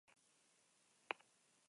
Geltoki hau duela gutxi berriztatu dute.